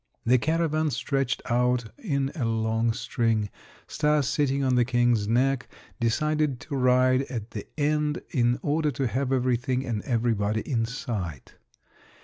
The caravan stretched out in a long string. Stas, sitting on the King's neck, decided to ride at the end in order to have everything and everybody in sight.